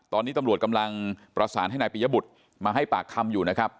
ตอนนี้ตำรวจกำลังประสานให้นายปียบุตรมาให้ปากคำอยู่นะครับ